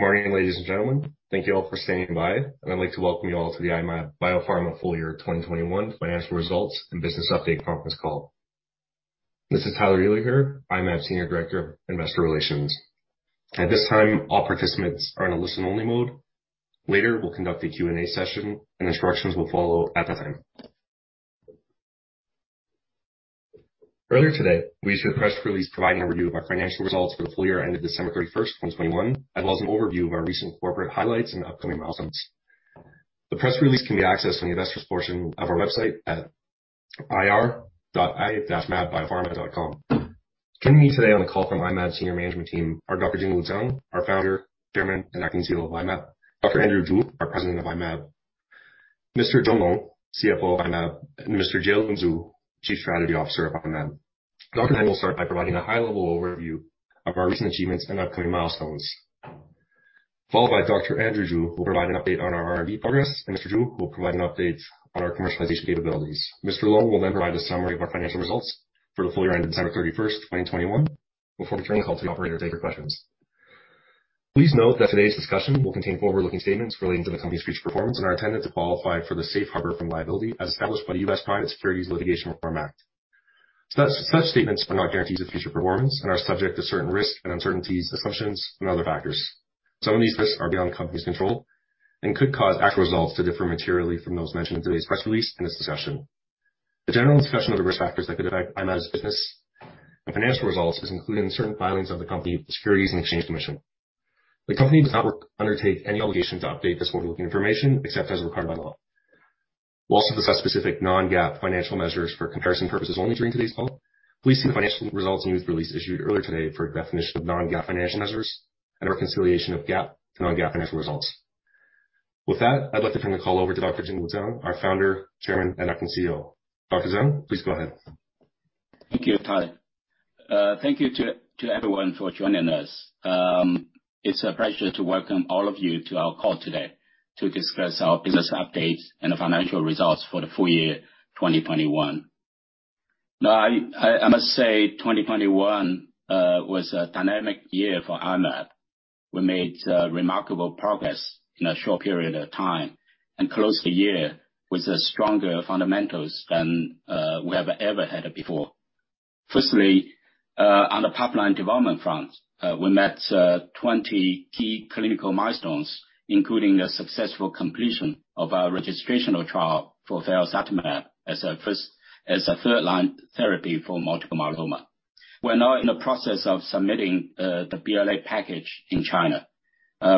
Morning, ladies and gentlemen. Thank you all for standing by, and I'd like to welcome you all to the I-Mab Biopharma Full Year 2021 Financial Results and Business Update Conference Call. This is Tyler Ehler, I-Mab Senior Director of Investor Relations. At this time, all participants are in a listen-only mode. Later, we'll conduct a Q&A session and instructions will follow at that time. Earlier today, we issued a press release providing a review of our financial results for the full year ended December 31st, 2021, as well as an overview of our recent corporate highlights and upcoming milestones. The press release can be accessed on the Investors portion of our website at ir.i-mabbiopharma.com. Joining me today on the call from I-Mab senior management team are Dr. Jingwu Zang, our Founder, Chairman, and Acting CEO of I-Mab; Dr. Andrew Zhu, our President of I-Mab; Mr. John Long, CFO of I-Mab; and Mr. Jielun Zhu, Chief Strategy Officer of I-Mab. Dr. Zang will start by providing a high-level overview of our recent achievements and upcoming milestones, followed by Dr. Andrew Zhu, who will provide an update on our R&D progress, and Mr. Zhu, who will provide an update on our commercialization capabilities. Mr. Long will then provide a summary of our financial results for the full year ended December 31st, 2021, before returning the call to the operator to take your questions. Please note that today's discussion will contain forward-looking statements relating to the company's future performance and are intended to qualify for the safe harbor from liability as established by the U.S. Private Securities Litigation Reform Act. Such statements are not guarantees of future performance and are subject to certain risks and uncertainties, assumptions and other factors. Some of these risks are beyond the company's control and could cause actual results to differ materially from those mentioned in today's press release and this discussion. A general discussion of the risk factors that could affect I-Mab's business and financial results is included in certain filings of the company with the Securities and Exchange Commission. The company does not undertake any obligation to update this forward-looking information except as required by law. We'll also discuss specific non-GAAP financial measures for comparison purposes only during today's call. Please see the financial results news release issued earlier today for a definition of non-GAAP financial measures and a reconciliation of GAAP to non-GAAP financial results. With that, I'd like to turn the call over to Dr. Jingwu Zang, our Founder, Chairman, and Acting CEO. Dr. Zang, please go ahead. Thank you, Tyler. Thank you to everyone for joining us. It's a pleasure to welcome all of you to our call today to discuss our business updates and the financial results for the full year 2021. Now, I must say, 2021 was a dynamic year for I-Mab. We made remarkable progress in a short period of time and closed the year with stronger fundamentals than we have ever had before. Firstly, on the pipeline development front, we met 20 key clinical milestones, including the successful completion of our registrational trial for felzartamab as a third-line therapy for multiple myeloma. We're now in the process of submitting the BLA package in China.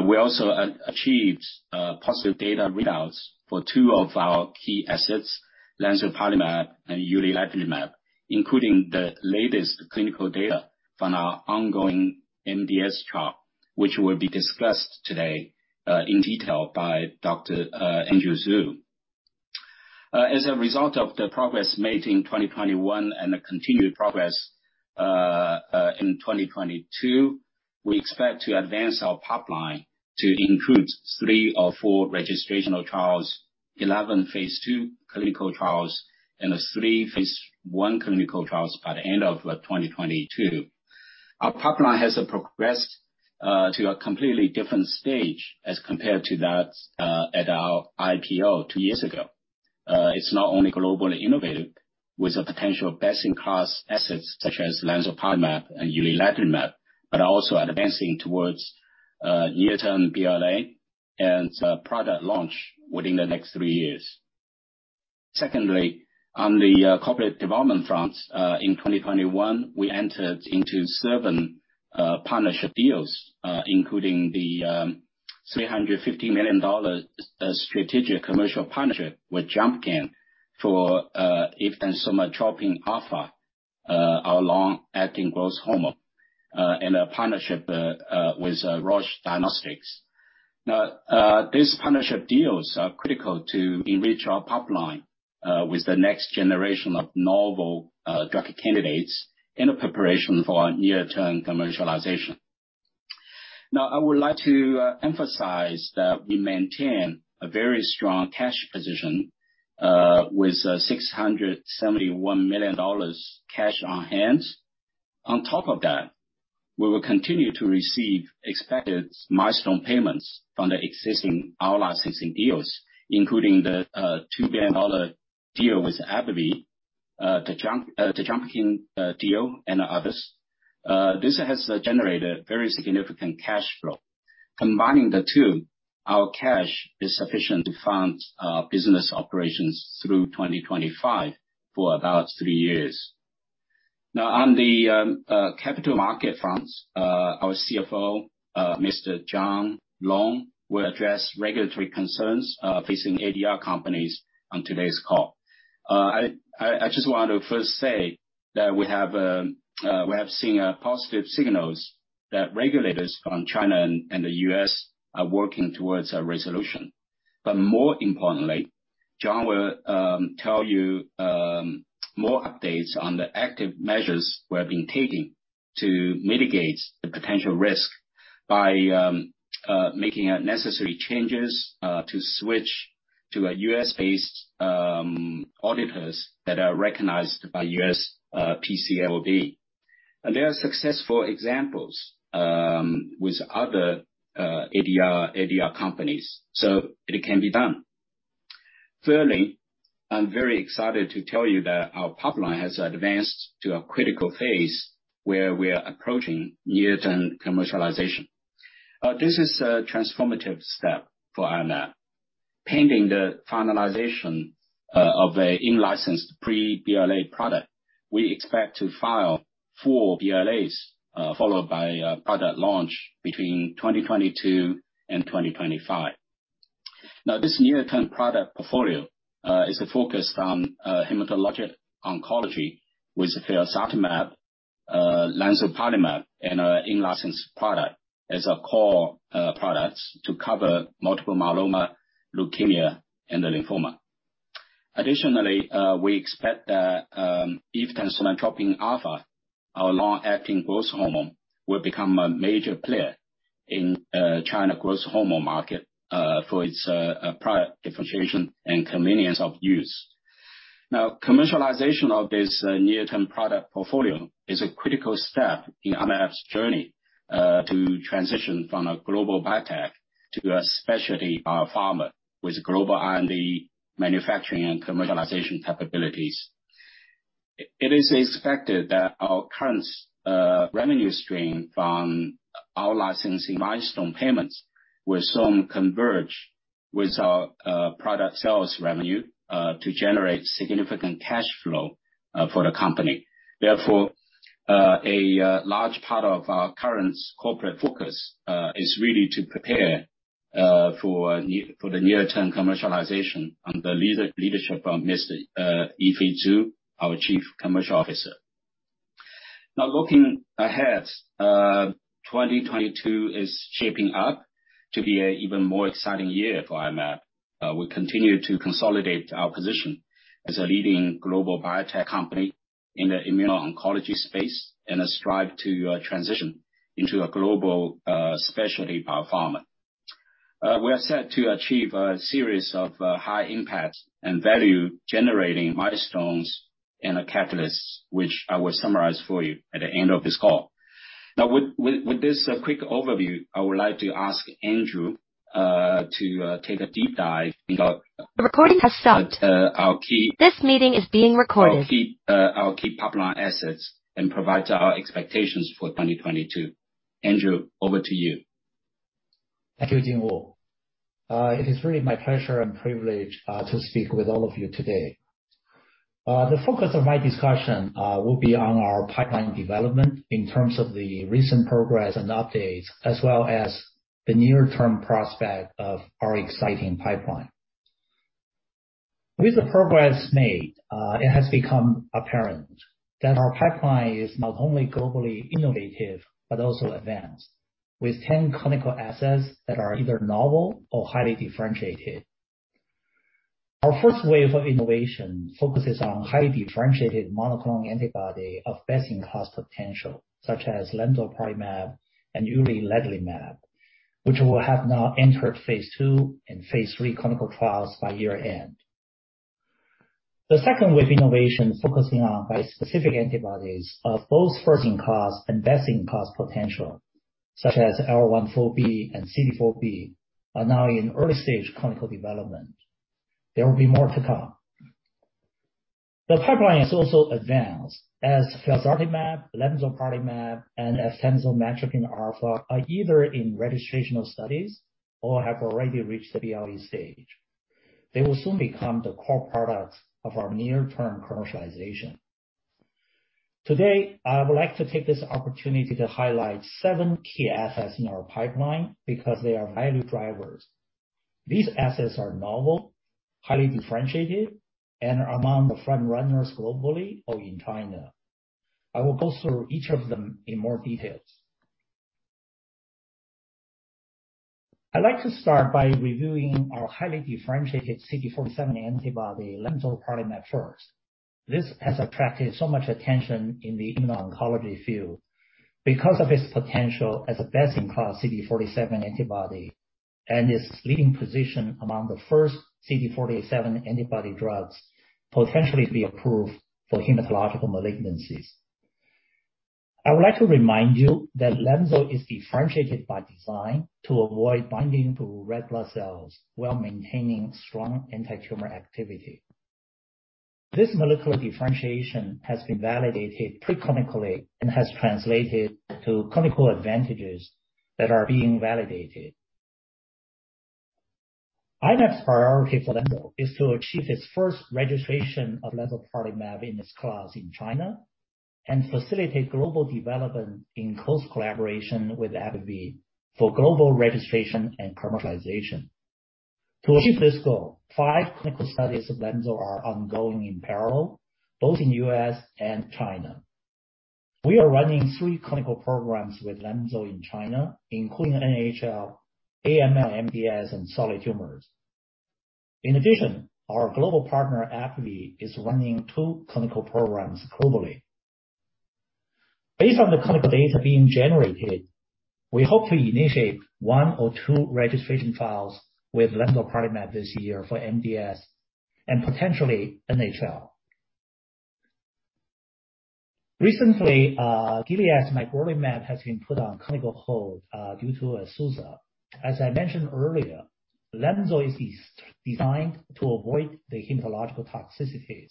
We also achieved positive data readouts for two of our key assets, lemzoparlimab and uliledlimab, including the latest clinical data from our ongoing MDS trial, which will be discussed today in detail by Dr. Andrew Zhu. As a result of the progress made in 2021 and the continued progress in 2022, we expect to advance our pipeline to include three or four registrational trials, 11 phase II clinical trials, and three phase I clinical trials by the end of 2022. Our pipeline has progressed to a completely different stage as compared to that at our IPO two years ago. It's not only globally innovative with the potential best-in-class assets such as lemzoparlimab and uliledlimab, but also advancing towards near-term BLA and product launch within the next three years. Secondly, on the corporate development front, in 2021, we entered into seven partnership deals, including the $350 million strategic commercial partnership with Jumpcan for eftansomatropin alfa, our long-acting growth hormone, and a partnership with Roche Diagnostics. These partnership deals are critical to enrich our pipeline with the next generation of novel drug candidates in the preparation for near-term commercialization. I would like to emphasize that we maintain a very strong cash position with $671 million cash on hand. On top of that, we will continue to receive expected milestone payments from the existing out licensing deals, including the $2 billion deal with AbbVie, the Jumpcan deal, and others. This has generated very significant cash flow. Combining the two, our cash is sufficient to fund our business operations through 2025 for about three years. Now, on the capital market front, our CFO, Mr. John Long, will address regulatory concerns facing ADR companies on today's call. I just wanted to first say that we have seen positive signals that regulators from China and the U.S. are working towards a resolution. More importantly, John will tell you more updates on the active measures we have been taking to mitigate the potential risk by making necessary changes to switch to a U.S.-based auditors that are recognized by U.S. PCAOB. There are successful examples with other ADR companies, so it can be done. Thirdly, I'm very excited to tell you that our pipeline has advanced to a critical phase where we are approaching near-term commercialization. This is a transformative step for I-Mab. Pending the finalization of a in-licensed pre-BLA product, we expect to file four BLAs, followed by a product launch between 2022 and 2025. Now, this near-term product portfolio is focused on hematologic oncology with felzartamab, lemzoparlimab, and our in-licensed product as our core products to cover multiple myeloma, leukemia, and lymphoma. Additionally, we expect that eftansomatropin alfa, our long-acting growth hormone, will become a major player in China growth hormone market for its product differentiation and convenience of use. Now, commercialization of this near-term product portfolio is a critical step in I-Mab's journey to transition from a global biotech to a specialty pharma with global R&D manufacturing and commercialization capabilities. It is expected that our current revenue stream from out-licensing milestone payments will soon converge with our product sales revenue to generate significant cash flow for the company. Therefore, a large part of our current corporate focus is really to prepare for the near-term commercialization under leadership of Mr. Yifei Zhu, our Chief Commercial Officer. Now looking ahead, 2022 is shaping up to be an even more exciting year for I-Mab. We continue to consolidate our position as a leading global biotech company in the immuno-oncology space and strive to transition into a global specialty biopharma. We are set to achieve a series of high impact and value-generating milestones and a catalyst, which I will summarize for you at the end of this call. Now, with this quick overview, I would like to ask Andrew to take a deep dive into- Our key Our key pipeline assets and provide our expectations for 2022. Dr. Andrew, over to you. Thank you, Jingwu. It is really my pleasure and privilege to speak with all of you today. The focus of my discussion will be on our pipeline development in terms of the recent progress and updates, as well as the near-term prospect of our exciting pipeline. With the progress made, it has become apparent that our pipeline is not only globally innovative, but also advanced, with 10 clinical assets that are either novel or highly differentiated. Our first wave of innovation focuses on highly differentiated monoclonal antibodies of best-in-class potential, such as lemzoparlimab and uliledlimab, which will now have entered phase II and phase III clinical trials by year-end. The second wave innovation focusing on bispecific antibodies of both first-in-class and best-in-class potential, such as TJ-L14B and TJ-CD4B, are now in early-stage clinical development. There will be more to come. The pipeline is also advanced as felzartamab, lemzoparlimab, and eftansomatropin alfa are either in registrational studies or have already reached the BLA stage. They will soon become the core products of our near-term commercialization. Today, I would like to take this opportunity to highlight seven key assets in our pipeline because they are value drivers. These assets are novel, highly differentiated, and are among the front runners globally or in China. I will go through each of them in more details. I'd like to start by reviewing our highly differentiated CD47 antibody, lemzoparlimab first. This has attracted so much attention in the immuno-oncology field because of its potential as a best-in-class CD47 antibody and its leading position among the first CD47 antibody drugs potentially to be approved for hematological malignancies. I would like to remind you that lemzoparlimab is differentiated by design to avoid binding to red blood cells while maintaining strong antitumor activity. This molecular differentiation has been validated preclinically and has translated to clinical advantages that are being validated. I-Mab's priority for lemzoparlimab is to achieve its first registration of lemzoparlimab in its class in China and facilitate global development in close collaboration with AbbVie for global registration and commercialization. To achieve this goal, five clinical studies of lemzoparlimab are ongoing in parallel, both in the U.S. and China. We are running three clinical programs with lemzoparlimab in China, including NHL, AML, MDS, and solid tumors. In addition, our global partner, AbbVie, is running two clinical programs globally. Based on the clinical data being generated. We hope to initiate one or two registration filings with lemzoparlimab this year for MDS and potentially NHL. Recently, Gilead's magrolimab has been put on clinical hold due to a SUSAR. As I mentioned earlier, lemzoparlimab is designed to avoid the hematological toxicities.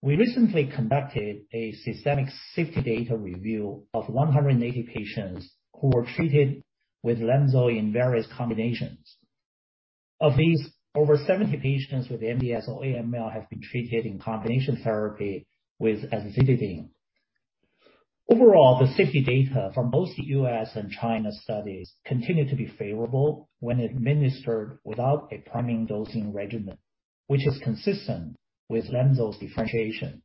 We recently conducted a systematic safety data review of 180 patients who were treated with lemzoparlimab in various combinations. Of these, over 70 patients with MDS or AML have been treated in combination therapy with azacitidine. Overall, the safety data from both the U.S. and China studies continued to be favorable when administered without a priming dosing regimen, which is consistent with lemzoparlimab's differentiation.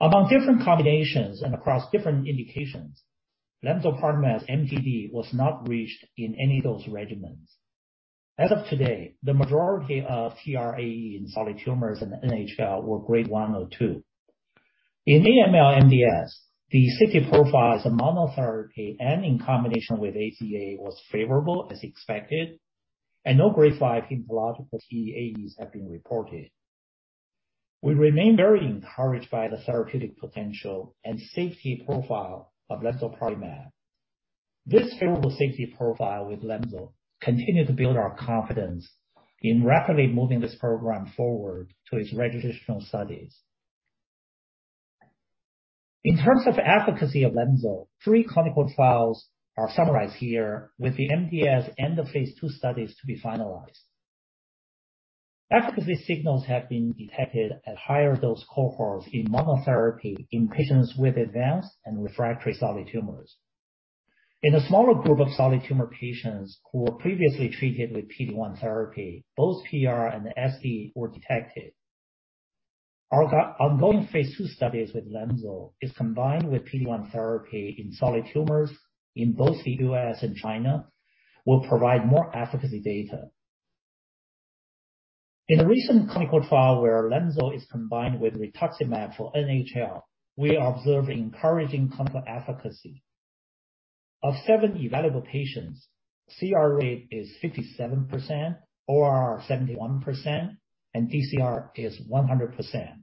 Among different combinations and across different indications, lemzoparlimab MTD was not reached in any dose regimens. As of today, the majority of CRAE in solid tumors and NHL were grade one or two. In AML/MDS, the safety profile as a monotherapy and in combination with AZA was favorable as expected, and no grade 5 hematological TEAEs have been reported. We remain very encouraged by the therapeutic potential and safety profile of lemzoparlimab. This favorable safety profile with lemzoparlimab continued to build our confidence in rapidly moving this program forward to its registrational studies. In terms of efficacy of lemzoparlimab, three clinical trials are summarized here with the MDS end of phase II studies to be finalized. Efficacy signals have been detected at higher dose cohorts in monotherapy in patients with advanced and refractory solid tumors. In a smaller group of solid tumor patients who were previously treated with PD-1 therapy, both PR and SD were detected. Our ongoing phase II studies with lemzoparlimab is combined with PD-1 therapy in solid tumors in both the U.S. and China will provide more efficacy data. In a recent clinical trial where lemzoparlimab is combined with rituximab for NHL, we observed encouraging clinical efficacy. Of seven evaluable patients, CR rate 57%, ORR 71%, and DCR 100%.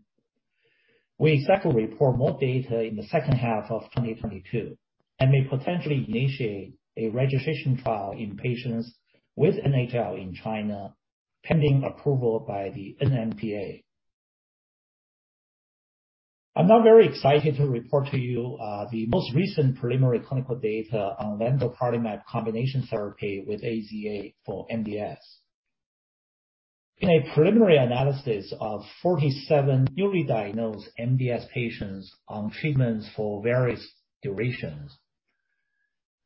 We expect to report more data in the second half of 2022 and may potentially initiate a registration trial in patients with NHL in China, pending approval by the NMPA. I'm now very excited to report to you the most recent preliminary clinical data on lemzoparlimab combination therapy with AZA for MDS. In a preliminary analysis of 47 newly diagnosed MDS patients on treatments for various durations,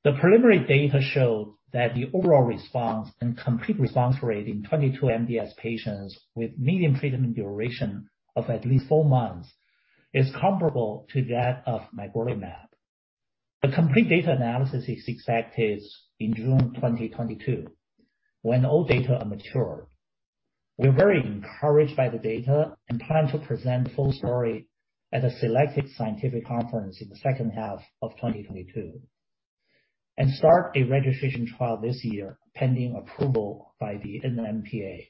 the preliminary data showed that the overall response and complete response rate in 22 MDS patients with median treatment duration of at least four months is comparable to that of magrolimab. The complete data analysis is expected in June 2022 when all data are mature. We are very encouraged by the data and plan to present full story at a selected scientific conference in the second half of 2022 and start a registration trial this year, pending approval by the NMPA.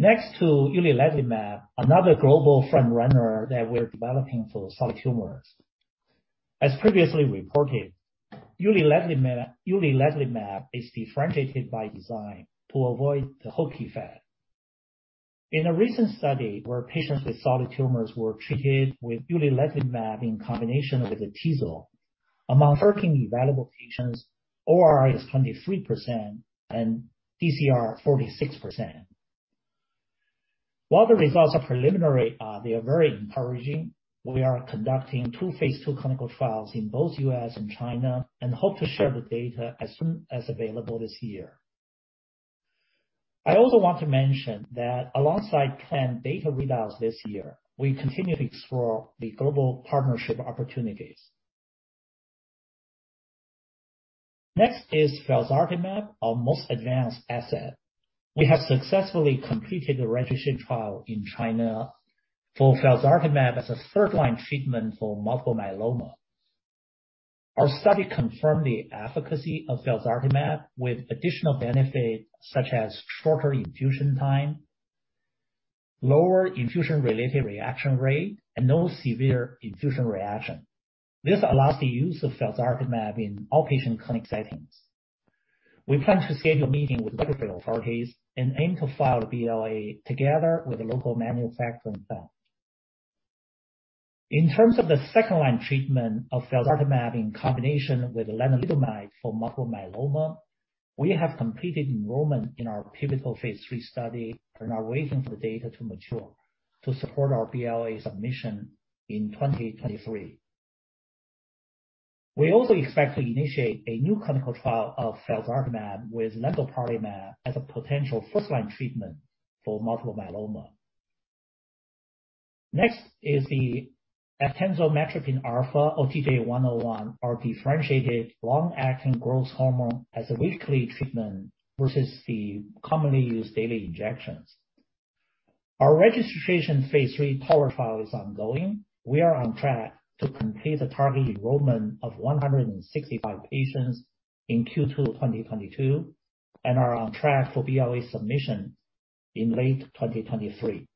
Next to uliledlimab, another global front-runner that we're developing for solid tumors. As previously reported, uliledlimab is differentiated by design to avoid the hook effect. In a recent study where patients with solid tumors were treated with uliledlimab in combination with atezolizumab, among 13 evaluable patients, ORR is 23% and DCR 46%. While the results are preliminary, they are very encouraging. We are conducting two phase II clinical trials in both U.S. and China and hope to share the data as soon as available this year. I also want to mention that alongside planned data readouts this year, we continue to explore the global partnership opportunities. Next is Felzartamab, our most advanced asset. We have successfully completed a registered trial in China for felzartamab as a third-line treatment for multiple myeloma. Our study confirmed the efficacy of felzartamab with additional benefits such as shorter infusion time, lower infusion-related reaction rate and no severe infusion reaction. This allows the use of felzartamab in outpatient clinic settings. We plan to schedule a meeting with regulatory authorities and aim to file a BLA together with a local manufacturing plant. In terms of the second-line treatment of felzartamab in combination with lenalidomide for multiple myeloma, we have completed enrollment in our pivotal phase III study and are waiting for the data to mature to support our BLA submission in 2023. We also expect to initiate a new clinical trial of felzartamab with lemzoparlimab as a potential first-line treatment for multiple myeloma. Next is the eftansomatropin alfa or TJ101, our differentiated long-acting growth hormone as a weekly treatment versus the commonly used daily injections. Our registration phase III TALLER trial is ongoing. We are on track to complete the target enrollment of 165 patients in Q2 2022, and are on track for BLA submission in late 2023.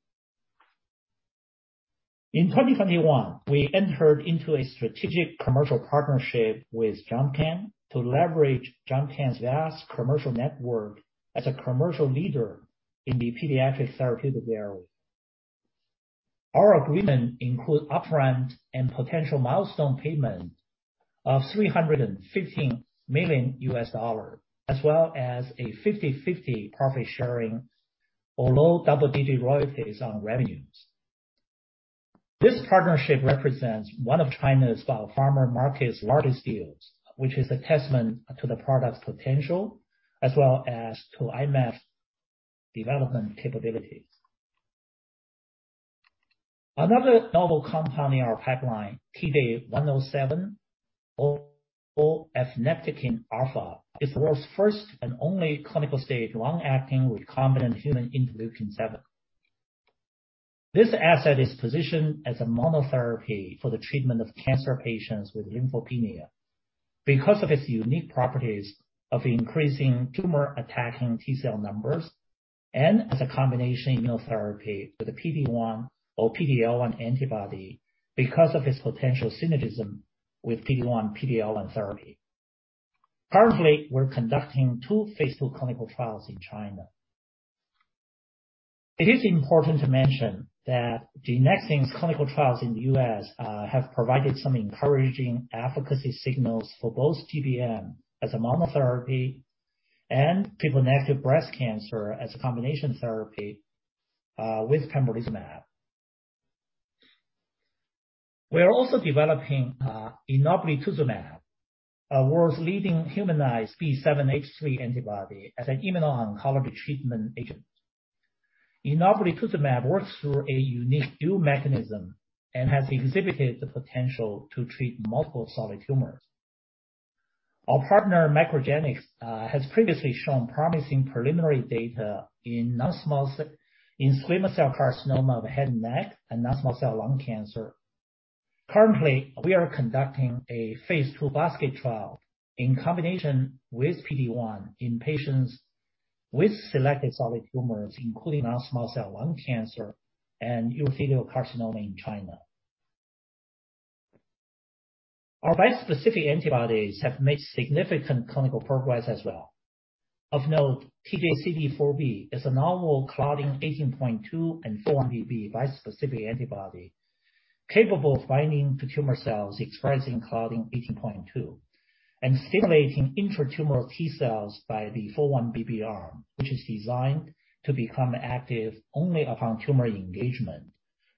In 2021, we entered into a strategic commercial partnership with Jumpcan to leverage Jumpcan's vast commercial network as a commercial leader in the pediatric therapeutic area. Our agreement includes upfront and potential milestone payment of $315 million, as well as a 50/50 profit sharing for low double-digit royalties on revenues. This partnership represents one of China's biopharma market's largest deals, which is a testament to the product's potential, as well as to I-Mab's development capabilities. Another novel compound in our pipeline, TJ107 or efineptakin alfa, is the world's first and only clinical-stage long-acting recombinant human interleukin-7. This asset is positioned as a monotherapy for the treatment of cancer patients with lymphopenia. Because of its unique properties of increasing tumor-attacking T-cell numbers and as a combination immunotherapy with a PD-1 or PD-L1 antibody because of its potential synergism with PD-1, PD-L1 therapy. Currently, we're conducting two phase II clinical trials in China. It is important to mention that the efineptakin alfa clinical trials in the U.S. have provided some encouraging efficacy signals for both GBM as a monotherapy and triple-negative breast cancer as a combination therapy with pembrolizumab. We are also developing enoblituzumab, a world's leading humanized B7-H3 antibody as an immuno-oncology treatment agent. Enoblituzumab works through a unique dual mechanism and has exhibited the potential to treat multiple solid tumors. Our partner, MacroGenics, has previously shown promising preliminary data in squamous cell carcinoma of head and neck and non-small cell lung cancer. Currently, we are conducting a phase II basket trial in combination with PD-1 in patients with selected solid tumors, including non-small cell lung cancer and urothelial carcinoma in China. Our bispecific antibodies have made significant clinical progress as well. Of note, TJ-CD4B is a novel Claudin 18.2 and 4-1BB bispecific antibody capable of binding to tumor cells expressing Claudin 18.2 and stimulating intra-tumoral T-cells by the 4-1BB arm, which is designed to become active only upon tumor engagement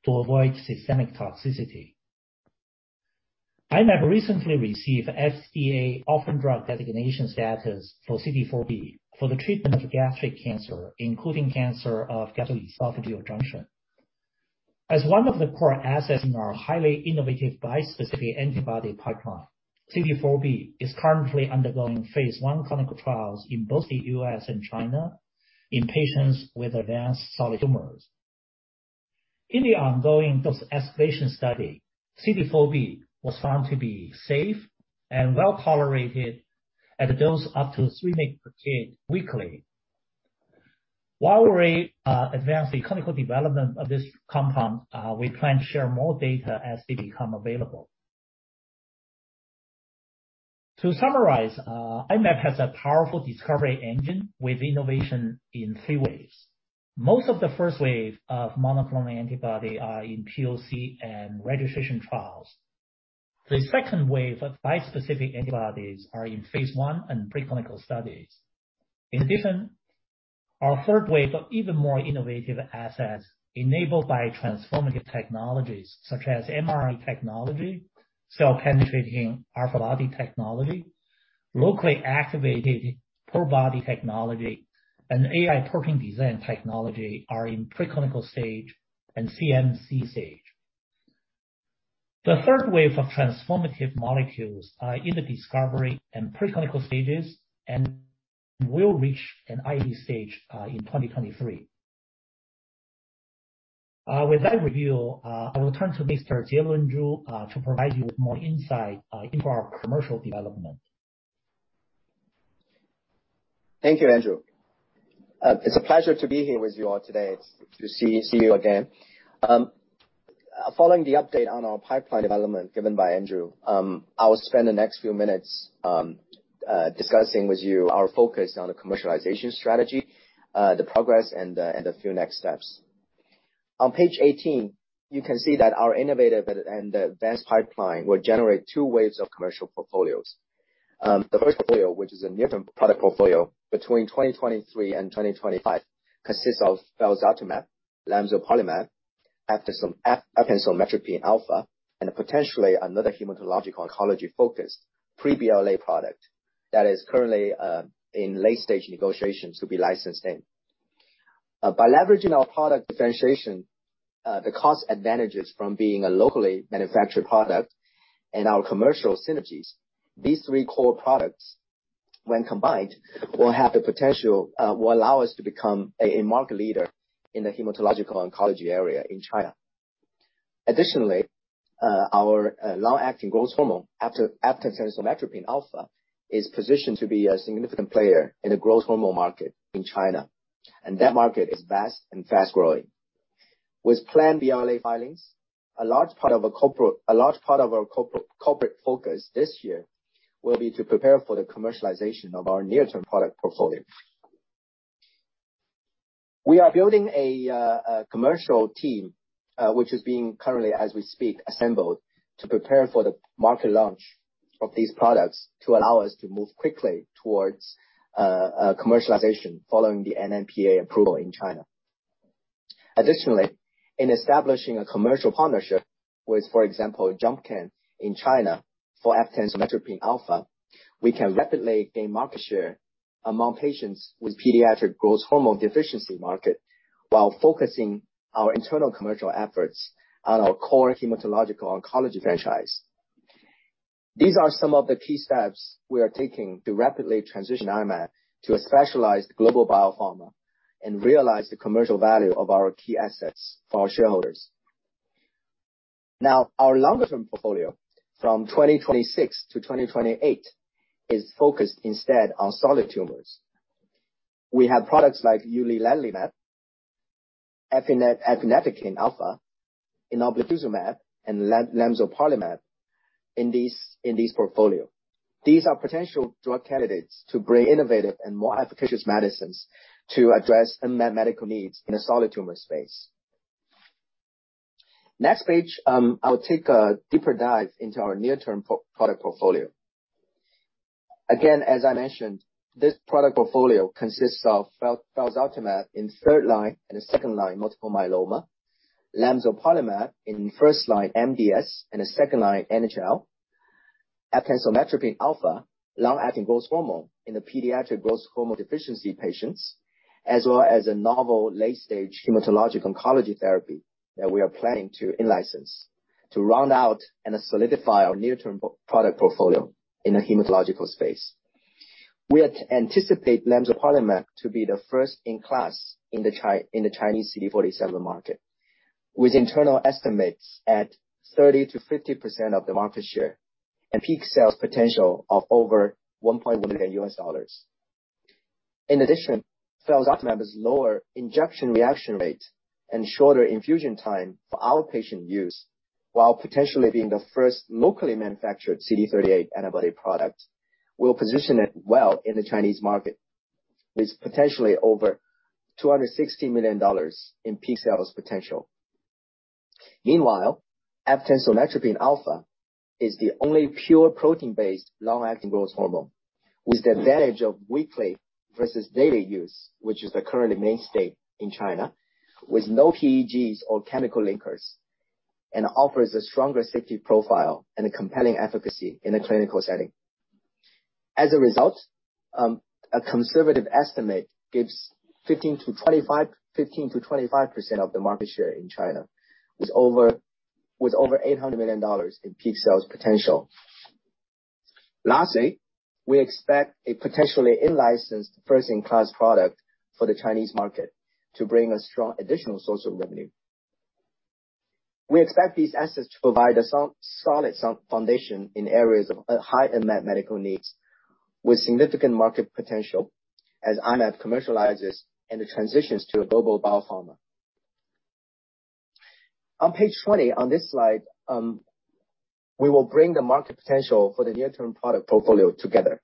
to avoid systemic toxicity. I-Mab recently received FDA Orphan Drug Designation status for TJ-CD4B for the treatment of gastric cancer, including cancer of gastroesophageal junction. As one of the core assets in our highly innovative bispecific antibody pipeline, TJ-CD4B is currently undergoing phase I clinical trials in both the U.S. and China in patients with advanced solid tumors. In the ongoing dose-escalation study, TJ-CD4B was found to be safe and well-tolerated at a dose up to 3 mg per kg weekly. While we advance the clinical development of this compound, we plan to share more data as they become available. To summarize, I-Mab has a powerful discovery engine with innovation in three waves. Most of the first wave of monoclonal antibodies are in PoC and registration trials. The second wave of bispecific antibodies are in phase I and preclinical studies. In addition, our third wave of even more innovative assets enabled by transformative technologies such as mRNA technology, cell-penetrating antibody technology, locally activated pro-body technology, and AI protein design technology are in preclinical stage and CMC stage. The third wave of transformative molecules are in the discovery and preclinical stages and will reach an ID stage in 2023. With that review, I will turn to Mr. Jielun Zhu to provide you with more insight into our commercial development. Thank you, Andrew. It's a pleasure to be here with you all today, to see you again. Following the update on our pipeline development given by Andrew, I will spend the next few minutes discussing with you our focus on the commercialization strategy, the progress and a few next steps. On page 18, you can see that our innovative and advanced pipeline will generate two waves of commercial portfolios. The first portfolio, which is a near-term product portfolio between 2023 and 2025, consists of felzartamab, lemzoparlimab, eftansomatropin alfa, and potentially another hematological oncology focus pre-BLA product that is currently in late-stage negotiations to be licensed in. By leveraging our product differentiation, the cost advantages from being a locally manufactured product and our commercial synergies, these three core products, when combined, will have the potential to allow us to become a market leader in the hematological oncology area in China. Additionally, our long-acting growth hormone, eftansomatropin alfa, is positioned to be a significant player in the growth hormone market in China, and that market is vast and fast-growing. With planned BLA filings, a large part of our corporate focus this year will be to prepare for the commercialization of our near-term product portfolio. We are building a commercial team which is being currently, as we speak, assembled to prepare for the market launch of these products to allow us to move quickly towards commercialization following the NMPA approval in China. Additionally, in establishing a commercial partnership with, for example, Jumpcan in China for eftansomatropin alfa, we can rapidly gain market share among patients with pediatric growth hormone deficiency market while focusing our internal commercial efforts on our core hematological oncology franchise. These are some of the key steps we are taking to rapidly transition I-Mab to a specialized global biopharma and realize the commercial value of our key assets for our shareholders. Now, our longer-term portfolio from 2026 to 2028 is focused instead on solid tumors. We have products like uliledlimab, efineptakin alfa, enoblituzumab, and lemzoparlimab in this portfolio. These are potential drug candidates to bring innovative and more efficacious medicines to address unmet medical needs in the solid tumor space. Next page, I'll take a deeper dive into our near-term product portfolio. As I mentioned, this product portfolio consists of felzartamab in third-line and second-line multiple myeloma, lemzoparlimab in first-line MDS and second-line NHL, eftansomatropin alfa, long-acting growth hormone in the pediatric growth hormone deficiency patients, as well as a novel late-stage hematologic oncology therapy that we are planning to in-license to round out and solidify our near-term product portfolio in the hematological space. We anticipate lemzoparlimab to be the first in class in the Chinese CD47 market, with internal estimates at 30%-50% of the market share and peak sales potential of over $1.1 billion. In addition, felzartamab's lower injection reaction rate and shorter infusion time for our patient use, while potentially being the first locally manufactured CD38 antibody product, will position it well in the Chinese market, with potentially over $260 million in peak sales potential. Meanwhile, eftansomatropin alfa is the only pure protein-based long-acting growth hormone, with the advantage of weekly versus daily use, which is the current mainstay in China, with no PEGs or chemical linkers, and offers a stronger safety profile and a compelling efficacy in a clinical setting. As a result, a conservative estimate gives 15%-25% of the market share in China, with over $800 million in peak sales potential. Lastly, we expect a potentially in-licensed first-in-class product for the Chinese market to bring a strong additional source of revenue. We expect these assets to provide a solid foundation in areas of high unmet medical needs with significant market potential as I-Mab commercializes and transitions to a global biopharma. On page 20, on this slide, we will bring the market potential for the near-term product portfolio together.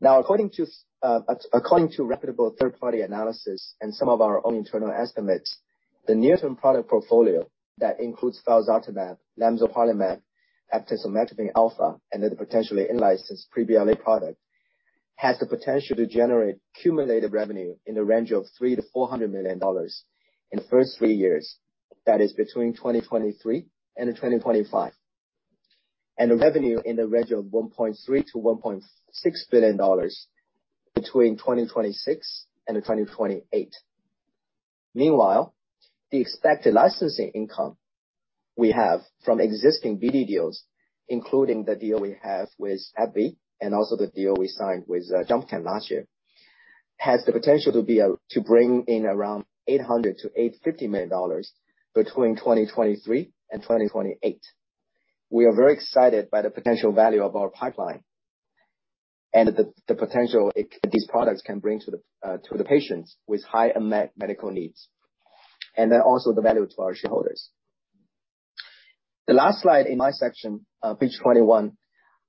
Now, according to reputable third-party analysis and some of our own internal estimates, the near-term product portfolio that includes felzartamab, lemzoparlimab, eftansomatropin alfa, and the potentially in-licensed pre-BLA product, has the potential to generate cumulative revenue in the range of $300 million-$400 million in the first three years. That is between 2023 and 2025. Revenue in the range of $1.3 billion-$1.6 billion between 2026 and 2028. Meanwhile, the expected licensing income we have from existing BD deals, including the deal we have with AbbVie and also the deal we signed with Jumpcan last year, has the potential to bring in around $800 million-$850 million between 2023 and 2028. We are very excited by the potential value of our pipeline and the potential these products can bring to the patients with high unmet medical needs, and then also the value to our shareholders. The last slide in my section, page 21,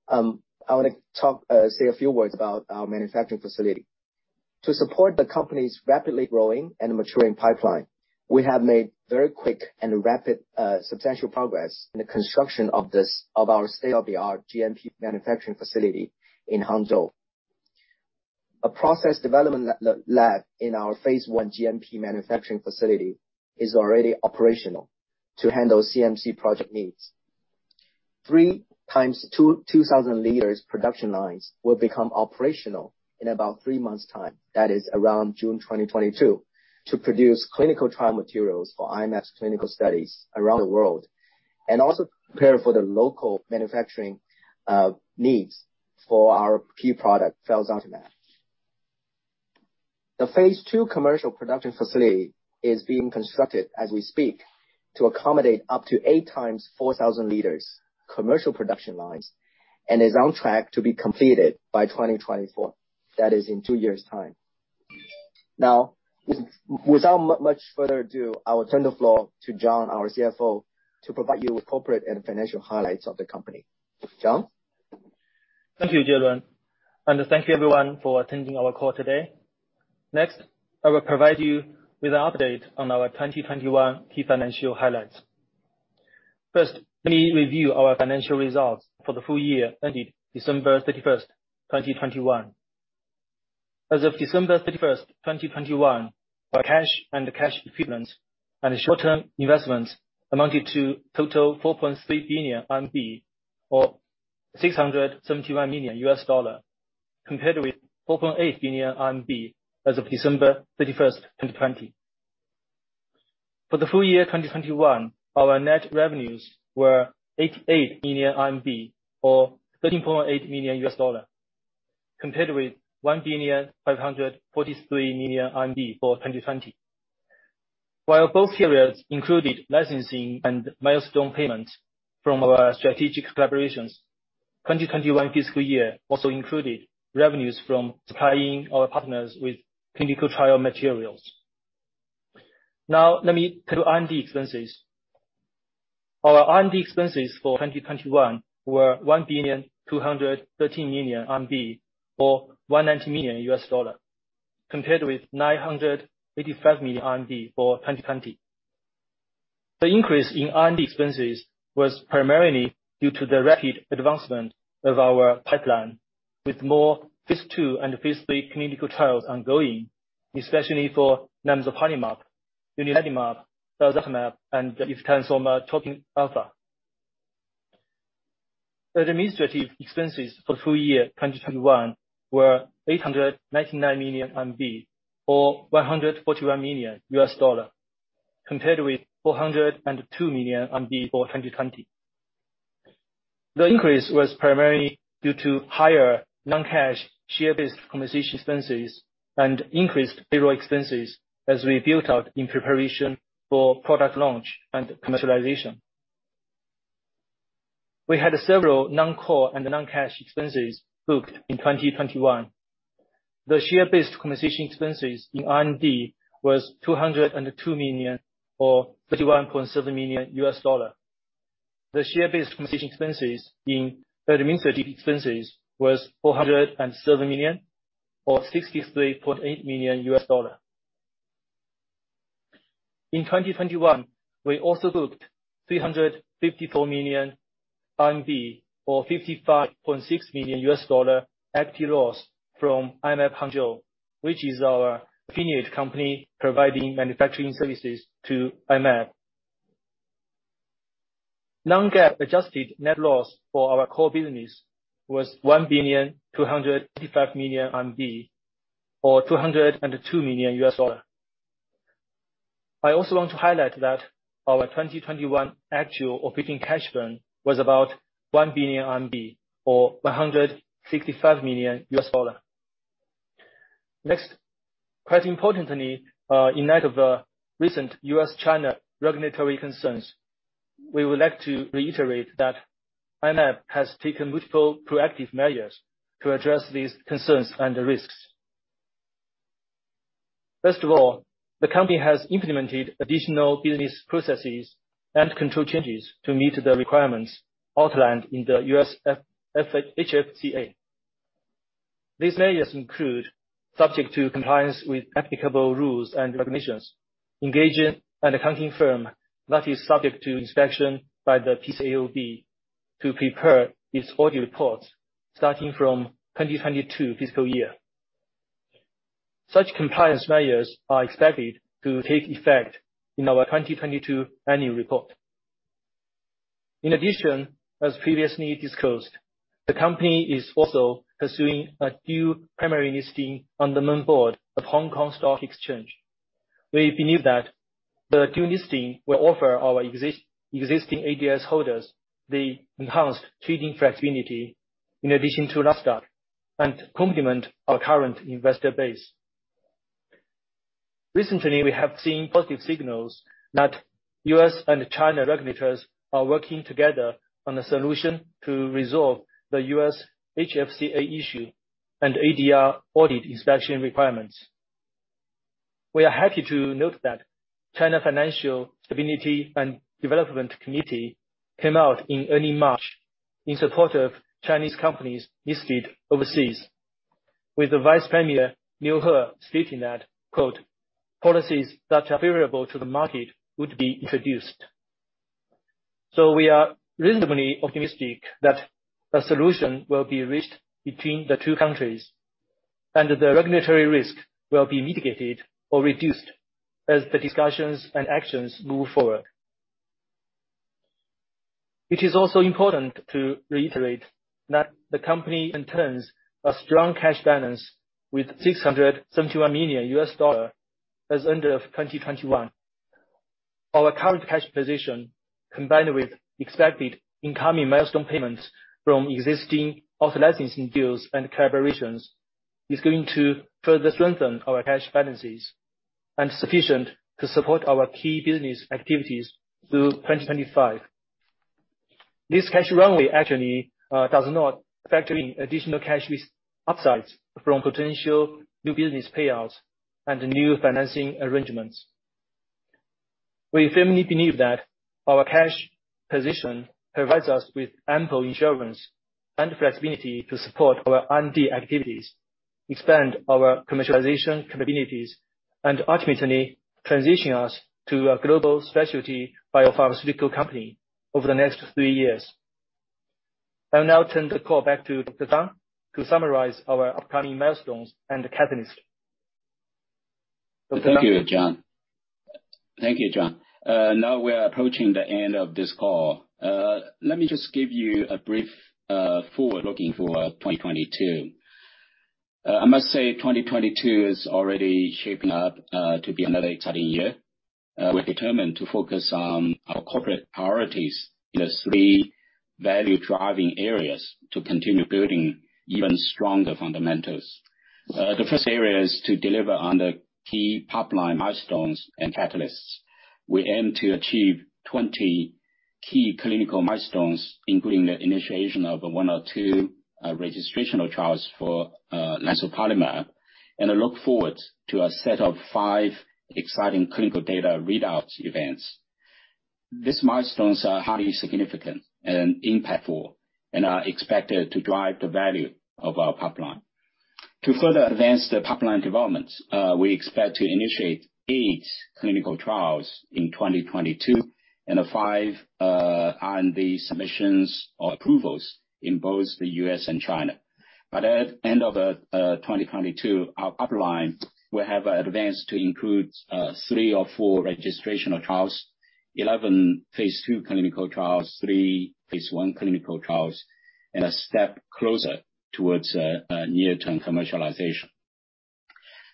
I wanna say a few words about our manufacturing facility. To support the company's rapidly growing and maturing pipeline, we have made very quick and rapid substantial progress in the construction of our state-of-the-art GMP manufacturing facility in Hangzhou. A process development lab in our phase I GMP manufacturing facility is already operational to handle CMC project needs. 3 × 2,000 L production lines will become operational in about three months' time. That is around June 2022, to produce clinical trial materials for I-Mab's clinical studies around the world, and also prepare for the local manufacturing needs for our key product, felzartamab. The phase II commercial production facility is being constructed as we speak to accommodate up to 8 × 4,000 L commercial production lines, and is on track to be completed by 2024. That is in two years' time. Now, without much further ado, I will turn the floor to John, our CFO, to provide you with corporate and financial highlights of the company. John? Thank you, Jielun. Thank you everyone for attending our call today. Next, I will provide you with an update on our 2021 key financial highlights. First, let me review our financial results for the full year ending December 31st, 2021. As of December 31st, 2021, our cash and cash equivalents and short-term investments amounted to total 4.3 billion RMB or $671 million, compared with 4.8 billion RMB as of December 31st, 2020. For the full year 2021, our net revenues were 88 million RMB or $13.8 million, compared with 1,543 million RMB for 2020. While both periods included licensing and milestone payments from our strategic collaborations, 2021 fiscal year also included revenues from supplying our partners with clinical trial materials. Now, let me turn to R&D expenses. Our R&D expenses for 2021 were 1,213 million RMB or $190 million, compared with 985 million RMB for 2020. The increase in R&D expenses was primarily due to the rapid advancement of our pipeline with more phase II and phase III clinical trials ongoing, especially for lemzoparlimab, uliledlimab, felzartamab, and eftansomatropin alfa. The administrative expenses for full year 2021 were 899 million or $141 million, compared with 402 million for 2020. The increase was primarily due to higher non-cash share-based compensation expenses and increased payroll expenses as we built out in preparation for product launch and commercialization. We had several non-core and non-cash expenses booked in 2021. The share-based compensation expenses in R&D was 202 million, or $31.7 million. The share-based compensation expenses in administrative expenses was 407 million, or $63.8 million. In 2021, we also booked 354 million RMB or $55.6 million equity loss from I-Mab Hangzhou, which is our affiliate company providing manufacturing services to I-Mab. Non-GAAP adjusted net loss for our core business was 1,285 million RMB or $202 million. I also want to highlight that our 2021 actual operating cash burn was about 1 billion RMB or $165 million. Next, quite importantly, in light of recent U.S.-China regulatory concerns, we would like to reiterate that I-Mab has taken multiple proactive measures to address these concerns and risks. First of all, the company has implemented additional business processes and control changes to meet the requirements outlined in the U.S. HFCAA. These measures include, subject to compliance with applicable rules and regulations, engaging an accounting firm that is subject to inspection by the PCAOB to prepare its audit reports starting from 2022 fiscal year. Such compliance measures are expected to take effect in our 2022 Annual Report. In addition, as previously discussed, the company is also pursuing a dual primary listing on the main board of Hong Kong Stock Exchange. We believe that the dual listing will offer our existing ADS holders the enhanced trading flexibility in addition to listed stock and complement our current investor base. Recently, we have seen positive signals that U.S. and China regulators are working together on a solution to resolve the U.S. HFCAA issue and ADR audit inspection requirements. We are happy to note that China Financial Stability and Development Committee came out in early March in support of Chinese companies listed overseas, with the Vice Premier Liu He stating that, quote, "Policies that are favorable to the market would be introduced." We are reasonably optimistic that a solution will be reached between the two countries, and the regulatory risk will be mitigated or reduced as the discussions and actions move forward. It is also important to reiterate that the company maintains a strong cash balance with $671 million as of the end of 2021. Our current cash position, combined with expected incoming milestone payments from existing out-licensing deals and collaborations, is going to further strengthen our cash balances and sufficient to support our key business activities through 2025. This cash runway actually does not factor in additional cash with upsides from potential new business payouts and new financing arrangements. We firmly believe that our cash position provides us with ample insurance and flexibility to support our R&D activities, expand our commercialization capabilities, and ultimately transition us to a global specialty biopharmaceutical company over the next three years. I will now turn the call back to Dr. Zang to summarize our upcoming milestones and the catalyst. Dr. Zang? Thank you, John. Now we are approaching the end of this call. Let me just give you a brief forward-looking for 2022. I must say 2022 is already shaping up to be another exciting year. We're determined to focus on our corporate priorities in the three value-driving areas to continue building even stronger fundamentals. The first area is to deliver on the key pipeline milestones and catalysts. We aim to achieve 20 key clinical milestones, including the initiation of one or two registrational trials for lemzoparlimab, and I look forward to a set of five exciting clinical data readouts events. These milestones are highly significant and impactful and are expected to drive the value of our pipeline. To further advance the pipeline developments, we expect to initiate eight clinical trials in 2022 and five R&D submissions or approvals in both the U.S. and China. By the end of 2022, our pipeline will have advanced to include three or four registrational trials, 11 phase II clinical trials, three phase I clinical trials, and a step closer towards a near-term commercialization.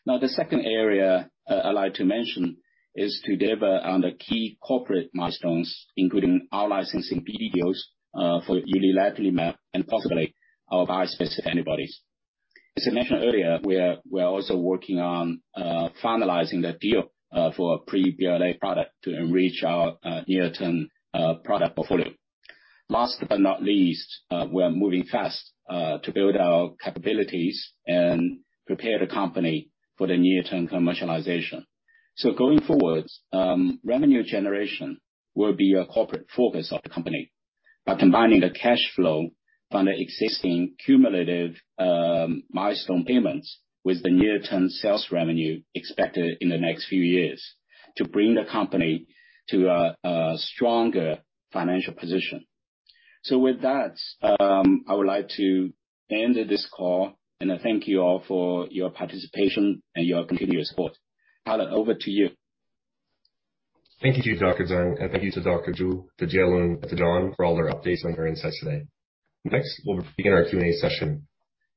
Now, the second area I'd like to mention is to deliver on the key corporate milestones, including our licensing PD deals for uliledlimab and possibly our bispecific antibodies. As I mentioned earlier, we are also working on finalizing the deal for a pre-BLA product to enrich our near-term product portfolio. Last but not least, we are moving fast to build our capabilities and prepare the company for the near-term commercialization. Going forward, revenue generation will be a corporate focus of the company by combining the cash flow from the existing cumulative milestone payments with the near-term sales revenue expected in the next few years to bring the company to a stronger financial position. With that, I would like to end this call, and I thank you all for your participation and your continuous support. Tyler, over to you. Thank you to you, Dr. Zang, and thank you to Dr. Zhu, to Jielun, to John, for all their updates and their insights today. Next, we'll begin our Q&A session.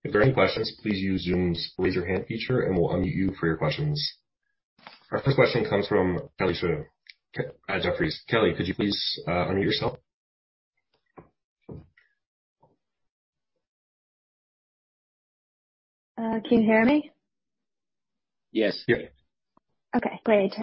If there are any questions, please use Zoom's Raise Your Hand feature and we'll unmute you for your questions. Our first question comes from Kelly Shi at Jefferies. Kelly, could you please unmute yourself? Can you hear me? Yes. Yes. Okay, great.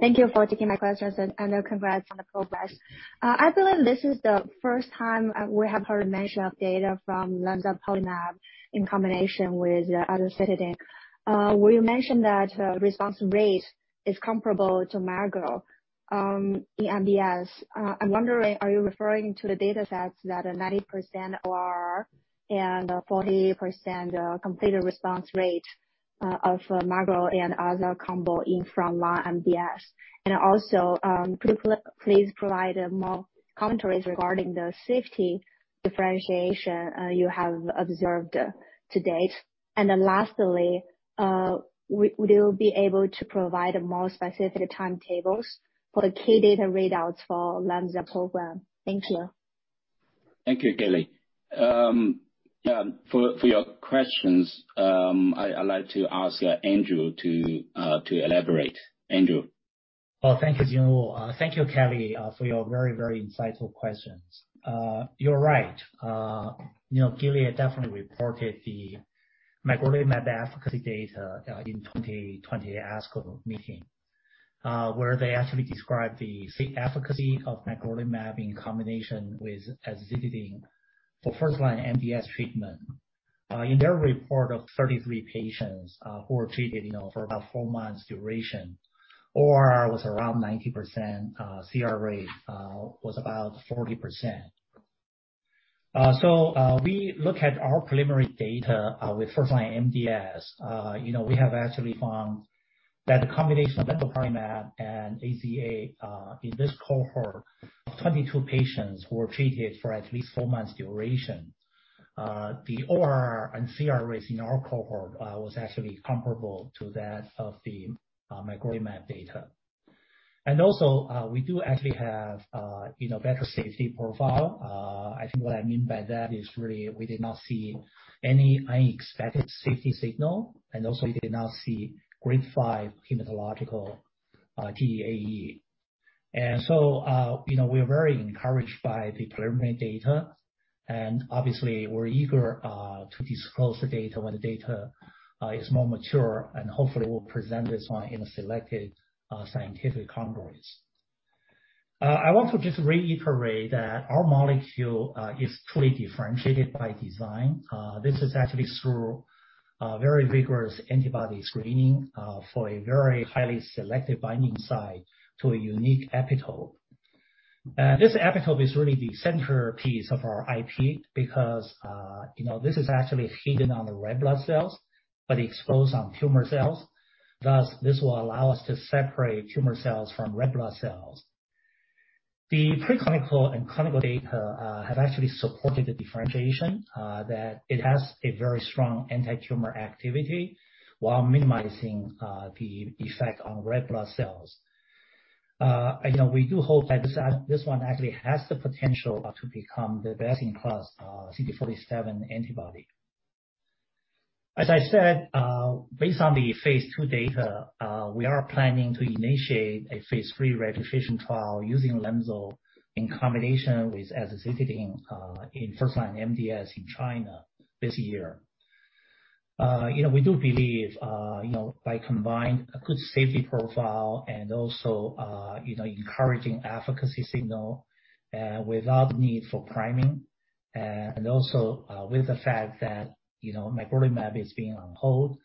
Thank you for taking my questions, and congrats on the progress. I believe this is the first time we have heard a mention of data from lemzoparlimab in combination with azacitidine. Will you mention that response rate is comparable to magrolimab in MDS? I'm wondering, are you referring to the datasets that are 90% ORR and 48% complete response rate of magrolimab and other combo in front line MDS? And also, could you please provide more commentaries regarding the safety differentiation you have observed to date? And then lastly, will you be able to provide more specific timetables for the key data readouts for lemzoparlimab program? Thank you. Thank you, Kelly. Yeah, for your questions, I'd like to ask Andrew to elaborate. Andrew. Thank you, Jingwu. Thank you, Kelly, for your very, very insightful questions. You're right. You know, Gilead definitely reported the magrolimab efficacy data in 2020 ASCO meeting, where they actually described the efficacy of magrolimab in combination with azacitidine for first-line MDS treatment. In their report of 33 patients who were treated, you know, for about four months duration, ORR was around 90%, CR rate was about 40%. We look at our preliminary data with first-line MDS. You know, we have actually found that the combination of lemzoparlimab and AZA in this cohort of 22 patients who were treated for at least four months duration, the ORR and CR rates in our cohort was actually comparable to that of the magrolimab data. We do actually have, you know, better safety profile. I think what I mean by that is really we did not see any unexpected safety signal, and also we did not see grade 5 hematological, TEAE. You know, we are very encouraged by the preliminary data, and obviously we're eager to disclose the data when the data is more mature and hopefully we'll present this one in a selected scientific congress. I want to just reiterate that our molecule is truly differentiated by design. This is actually through a very rigorous antibody screening for a very highly selective binding site to a unique epitope. This epitope is really the centerpiece of our IP because, you know, this is actually hidden on the red blood cells, but exposed on tumor cells. Thus, this will allow us to separate tumor cells from red blood cells. The preclinical and clinical data have actually supported the differentiation that it has a very strong antitumor activity while minimizing the effect on red blood cells. You know, we do hope that this one actually has the potential to become the best-in-class CD47 antibody. As I said, based on the phase II data, we are planning to initiate a phase III registration trial using lemzoparlimab in combination with azacitidine in first-line MDS in China this year. You know, we do believe, you know, by combining a good safety profile and also, you know, encouraging efficacy signal, without need for priming, and also, with the fact that, you know, magrolimab is being on hold,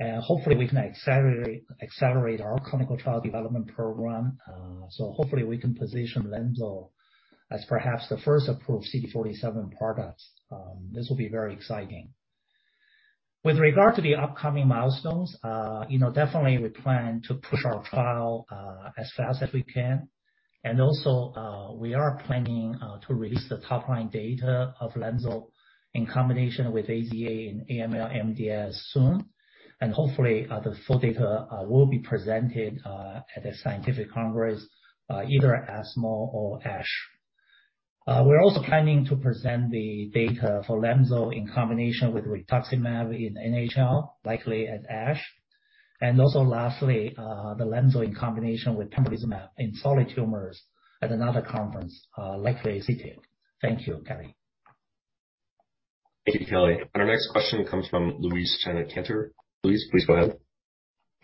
hopefully we can accelerate our clinical trial development program. Hopefully we can position lemzoparlimab as perhaps the first approved CD47 product. This will be very exciting. With regard to the upcoming milestones, you know, definitely we plan to push our trial as fast as we can. We are planning to release the top line data of lemzoparlimab in combination with AZA in AML/MDS soon. Hopefully, the full data will be presented at a scientific congress, either at ASCO or ASH. We're also planning to present the data for lemzoparlimab in combination with rituximab in NHL, likely at ASH. Also lastly, the lemzoparlimab in combination with pembrolizumab in solid tumors at another conference, likely ACT. Thank you, Kelly Shi. Thank you, Kelly. Our next question comes from Louise Chen at Cantor. Louise, please go ahead.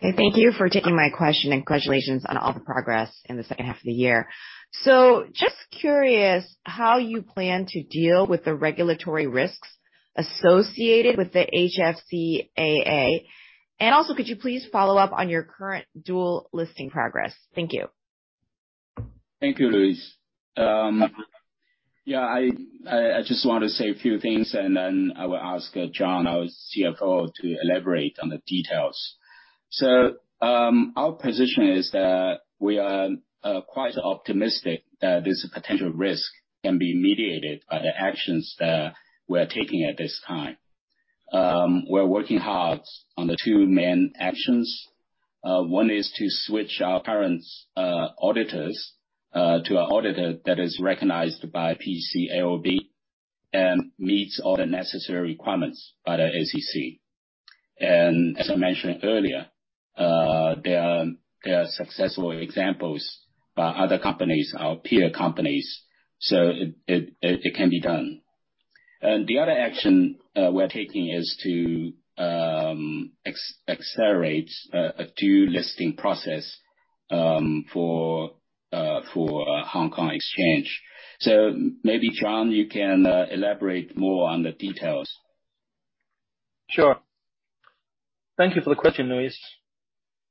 Thank you for taking my question, and congratulations on all the progress in the second half of the year. Just curious how you plan to deal with the regulatory risks associated with the HFCAA. Also, could you please follow up on your current dual listing progress? Thank you. Thank you, Louise. Yeah, I just want to say a few things and then I will ask John, our CFO, to elaborate on the details. Our position is that we are quite optimistic that this potential risk can be mediated by the actions that we're taking at this time. We're working hard on the two main actions. One is to switch our current auditors to an auditor that is recognized by PCAOB and meets all the necessary requirements by the SEC. As I mentioned earlier, there are successful examples by other companies, our peer companies, so it can be done. The other action we're taking is to accelerate a dual listing process for Hong Kong Stock Exchange. Maybe John, you can elaborate more on the details. Sure. Thank you for the question, Louise.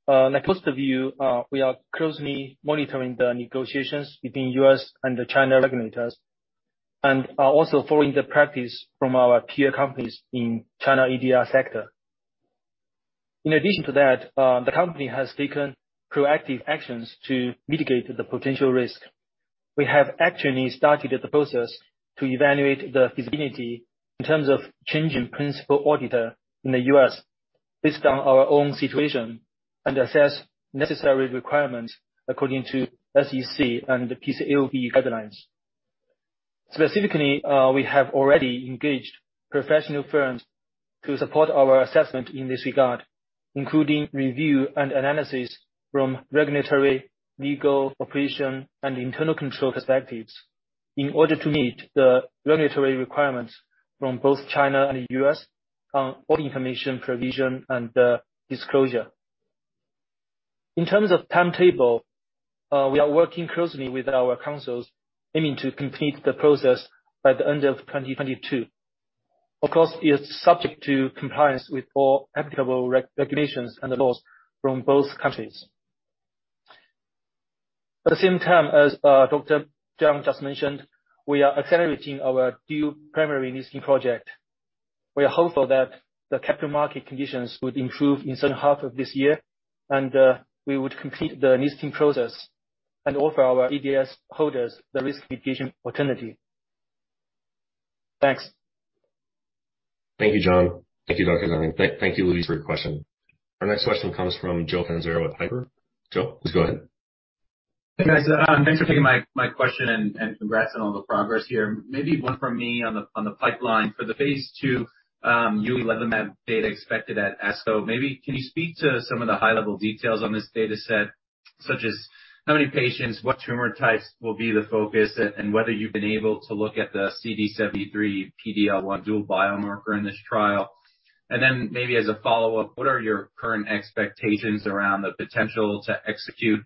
Like most of you, we are closely monitoring the negotiations between U.S. and the China regulators, and are also following the practice from our peer companies in China ADR sector. In addition to that, the company has taken proactive actions to mitigate the potential risk. We have actually started the process to evaluate the feasibility in terms of changing principal auditor in the U.S. based on our own situation, and assess necessary requirements according to SEC and PCAOB guidelines. Specifically, we have already engaged professional firms to support our assessment in this regard, including review and analysis from regulatory, legal, operation, and internal control perspectives in order to meet the regulatory requirements from both China and the U.S. on all information provision and disclosure. In terms of timetable, we are working closely with our counsel aiming to complete the process by the end of 2022. Of course, it's subject to compliance with all applicable regulations and the laws from both countries. At the same time, as Dr. Jingwu Zang just mentioned, we are accelerating our dual primary listing project. We are hopeful that the capital market conditions would improve in second half of this year, and we would complete the listing process and offer our ADS holders the risk mitigation opportunity. Thanks. Thank you, John. Thank you, Dr. Zang. Thank you, Louise, for your question. Our next question comes from Joe Catanzaro with Piper. Joe, please go ahead. Hey, guys. Thanks for taking my question and congrats on all the progress here. Maybe one from me on the pipeline. For the phase II uliledlimab data expected at ASCO, maybe can you speak to some of the high-level details on this data set? Such as how many patients, what tumor types will be the focus, and whether you've been able to look at the CD73 PD-L1 dual biomarker in this trial. Maybe as a follow-up, what are your current expectations around the potential to execute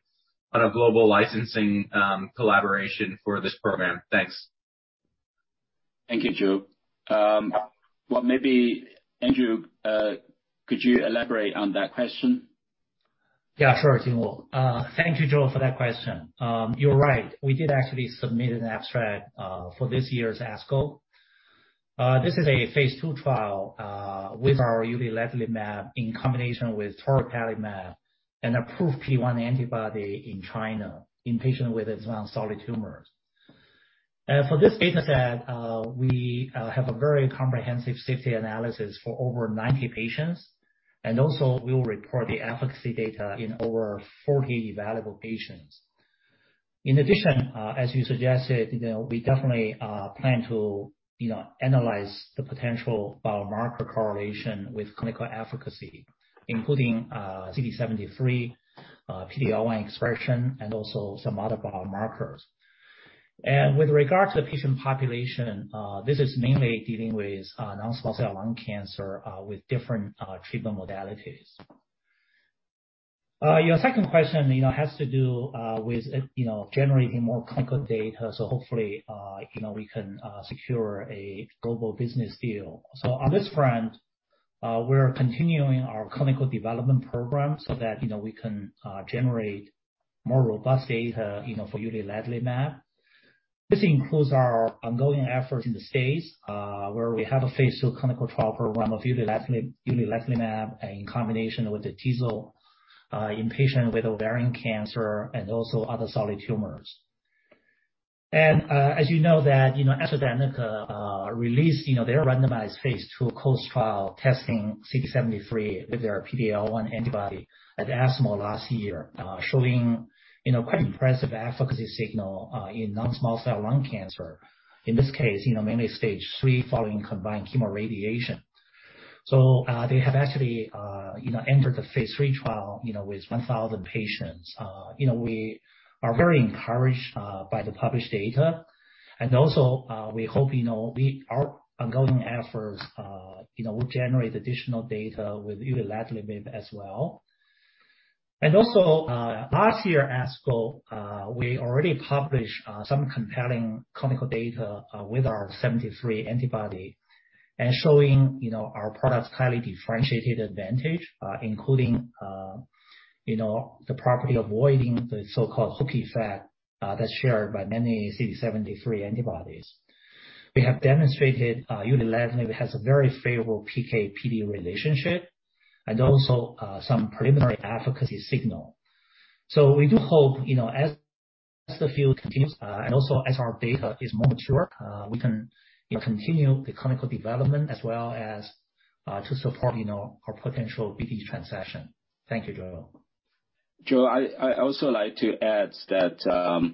on a global licensing collaboration for this program? Thanks. Thank you, Joe. Well, maybe Andrew could you elaborate on that question? Yeah, sure, Jingwu. Thank you, Joe, for that question. You're right. We did actually submit an abstract for this year's ASCO. This is a phase II trial with our uliledlimab in combination with toripalimab, an approved PD-1 antibody in China, in patients with advanced solid tumors. For this data set, we have a very comprehensive safety analysis for over 90 patients, and also we will report the efficacy data in over 40 evaluable patients. In addition, as you suggested, you know, we definitely plan to, you know, analyze the potential biomarker correlation with clinical efficacy, including CD73, PD-L1 expression and also some other biomarkers. With regard to the patient population, this is mainly dealing with non-small cell lung cancer with different treatment modalities. Your second question, you know, has to do with, you know, generating more clinical data, so hopefully, you know, we can secure a global business deal. On this front, we're continuing our clinical development program so that, you know, we can generate more robust data, you know, for uliledlimab. This includes our ongoing efforts in the States, where we have a phase II clinical trial program of uliledlimab in combination with tislelizumab in patients with ovarian cancer and also other solid tumors. As you know, you know, AstraZeneca released, you know, their randomized phase II COAST trial testing CD73 with their PD-L1 antibody at ASCO last year, showing, you know, quite impressive efficacy signal in non-small cell lung cancer. In this case, you know, mainly stage three following combined chemoradiation. They have actually, you know, entered the phase III trial, you know, with 1,000 patients. You know, we are very encouraged by the published data. And also, we hope, you know, we are ongoing as for, you know, we'll generate additional data with uliledlimab as well. And also, last year ASCO, we already published some compelling clinical data with our CD73 antibody and showing, you know, our product's highly differentiated advantage, including, you know, the property avoiding the so-called hook effect, that's shared by many CD73 antibodies. We have demonstrated uliledlimab has a very favorable PK/PD relationship and also some preliminary efficacy signal. We do hope, you know, as the field continues, and also as our data is more mature, we can continue the clinical development as well as to support, you know, our potential BD transaction. Thank you, Joe. Joe, I also like to add that,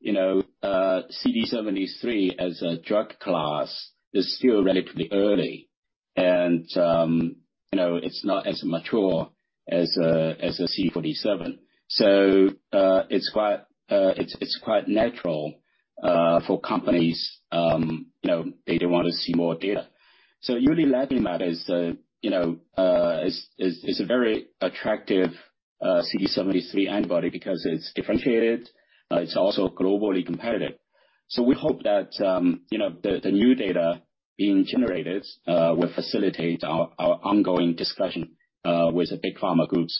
you know, CD73 as a drug class is still relatively early and, you know, it's not as mature as a CD47. It's quite natural for companies, you know, they do wanna see more data. Uliledlimab is, you know, a very attractive CD73 antibody because it's differentiated. It's also globally competitive. We hope that, you know, the new data being generated will facilitate our ongoing discussion with the big pharma groups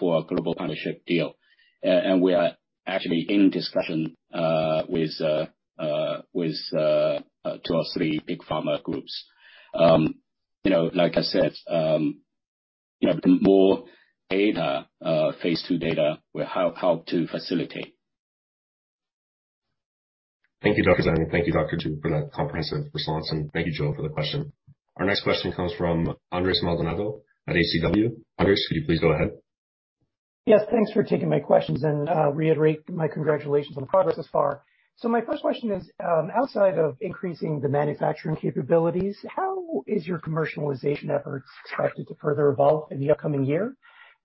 for a global partnership deal. We are actually in discussion with two or three big pharma groups. You know, like I said, you know, more data, phase II data will help to facilitate. Thank you, Dr. Zang, and thank you, Dr. Zhu, for that comprehensive response. Thank you, Joe, for the question. Our next question comes from Andres Maldonado at HCW. Andres, could you please go ahead? Yes, thanks for taking my questions, and reiterate my congratulations on the progress thus far. My first question is, outside of increasing the manufacturing capabilities, how is your commercialization efforts expected to further evolve in the upcoming year?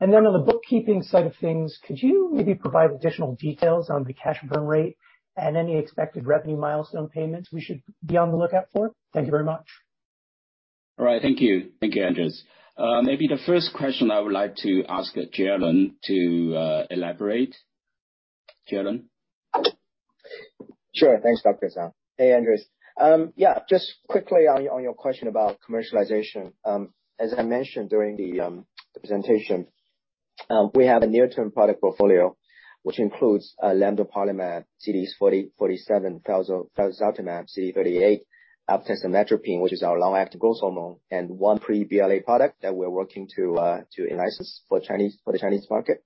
And then on the bookkeeping side of things, could you maybe provide additional details on the cash burn rate and any expected revenue milestone payments we should be on the lookout for? Thank you very much. All right. Thank you. Thank you, Andres. Maybe the first question I would like to ask Jielun to elaborate. Jielun? Sure. Thanks, Dr. Zhang. Hey, Andres. Yeah, just quickly on your question about commercialization. As I mentioned during the presentation, we have a near-term product portfolio, which includes lemzoparlimab, CD47, felzartamab, CD38, eftansomatropin alfa, which is our long-acting growth hormone, and one pre-BLA product that we're working to license for the Chinese market.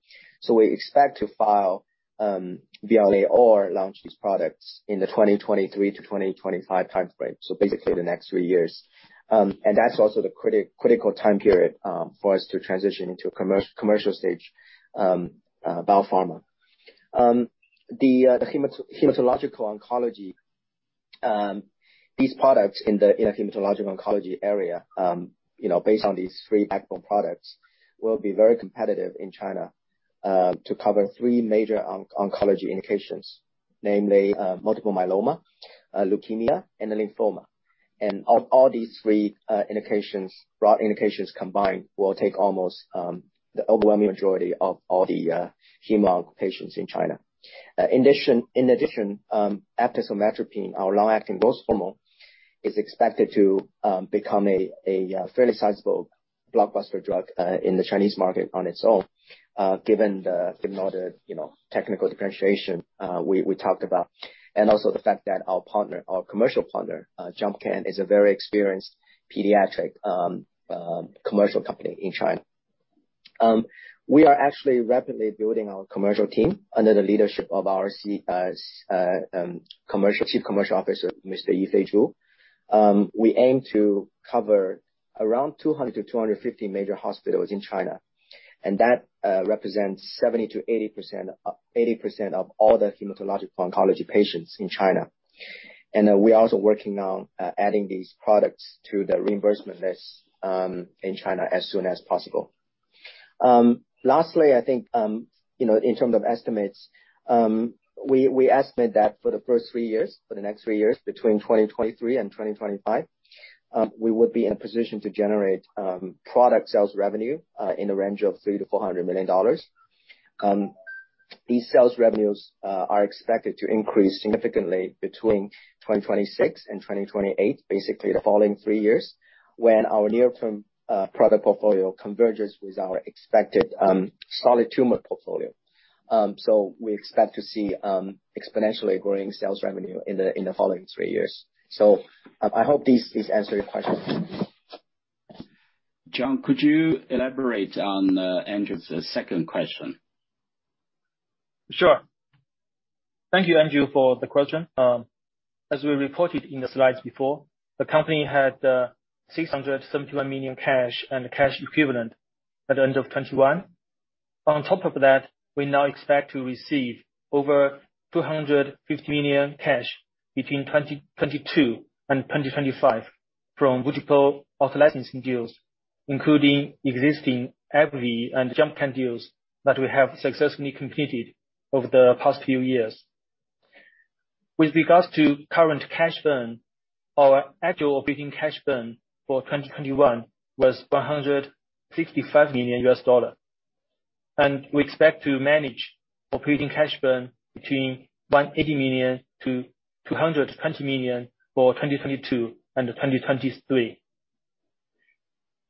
We expect to file BLA or launch these products in the 2023-2025 time frame, so basically the next three years. And that's also the critical time period for us to transition into a commercial stage biopharma. The hematological oncology. These products in the hematologic oncology area, you know, based on these three backbone products, will be very competitive in China to cover three major oncology indications, namely multiple myeloma, leukemia, and lymphoma. Of all these three indications, broad indications combined will take almost the overwhelming majority of all the hemo patients in China. In addition, eftansomatropin alfa, our long-acting growth hormone, is expected to become a fairly sizable blockbuster drug in the Chinese market on its own, given all the, you know, technical differentiation we talked about, and also the fact that our commercial partner, Jumpcan, is a very experienced pediatric commercial company in China. We are actually rapidly building our commercial team under the leadership of our Chief Commercial Officer, Mr. Yifei Zhu. We aim to cover around 200-250 major hospitals in China, and that represents 70%-80% of all the hematological oncology patients in China. We're also working on adding these products to the reimbursement list in China as soon as possible. Lastly, I think, you know, in terms of estimates, we estimate that for the first three years, for the next three years, between 2023 and 2025, we would be in a position to generate product sales revenue in the range of $300 million-$400 million. These sales revenues are expected to increase significantly between 2026 and 2028, basically the following three years, when our near-term product portfolio converges with our expected solid tumor portfolio. We expect to see exponentially growing sales revenue in the following three years. I hope this answered your question. John, could you elaborate on Andrew's second question? Sure. Thank you, Andrew, for the question. As we reported in the slides before, the company had $671 million cash and cash equivalents at the end of 2021. On top of that, we now expect to receive over $250 million cash between 2022 and 2025 from multiple out-licensing deals, including existing AbbVie and Jumpcan deals that we have successfully completed over the past few years. With regards to current cash burn, our actual operating cash burn for 2021 was $165 million. We expect to manage operating cash burn between $180 million-$220 million for 2022 and 2023.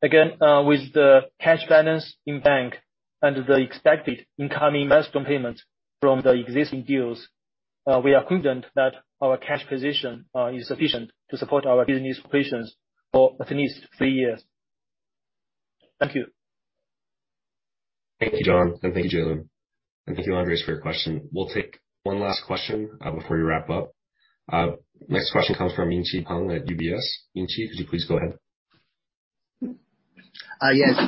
Again, with the cash balance in bank and the expected incoming milestone payments from the existing deals, we are confident that our cash position is sufficient to support our business operations for at least three years. Thank you. Thank you, John, and thank you, Jielun. Thank you, Andres, for your question. We'll take one last question, before we wrap up. Next question comes from Yingxi Peng at UBS. Yingxi, could you please go ahead?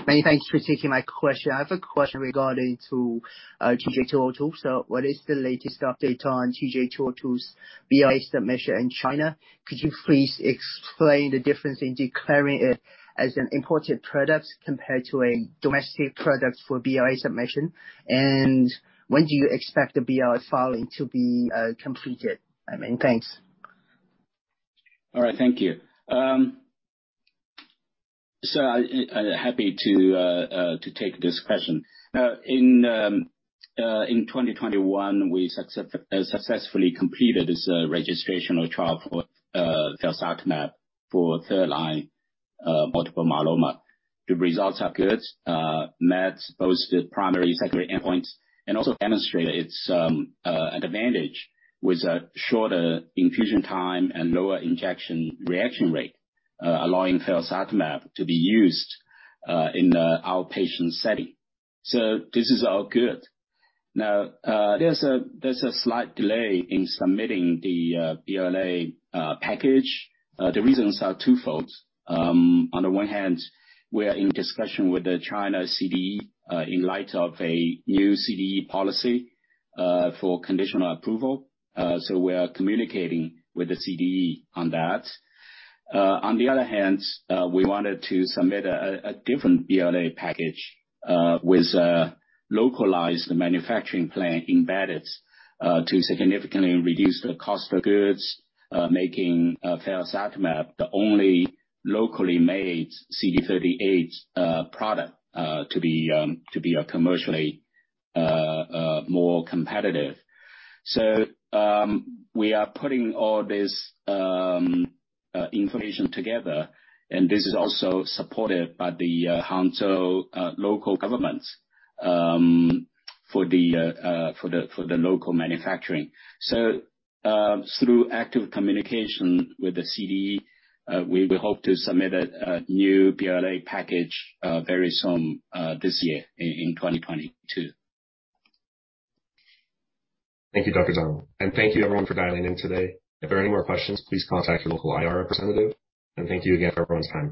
Many thanks for taking my question. I have a question regarding to TJ202. What is the latest update on TJ202's BLA submission in China? Could you please explain the difference in declaring it as an imported product compared to a domestic product for BLA submission? When do you expect the BLA filing to be completed? I mean, thanks. All right. Thank you. I'm happy to take this question. In 2021, we successfully completed this registrational trial for felzartamab for third-line multiple myeloma. The results are good. Met both the primary and secondary endpoints, and also demonstrated its advantage with a shorter infusion time and lower injection reaction rate, allowing felzartamab to be used in an outpatient setting. This is all good. Now, there's a slight delay in submitting the BLA package. The reasons are twofold. On the one hand, we're in discussion with the China CDE in light of a new CDE policy for conditional approval. We are communicating with the CDE on that. On the other hand, we wanted to submit a different BLA package with a localized manufacturing plant embedded to significantly reduce the cost of goods, making felzartamab the only locally made CD38 product to be commercially more competitive. We are putting all this information together, and this is also supported by the Hangzhou local government for the local manufacturing. Through active communication with the CDE, we will hope to submit a new BLA package very soon this year in 2022. Thank you, Dr. Zhang. Thank you everyone for dialing in today. If there are any more questions, please contact your local IR representative, and thank you again for everyone's time.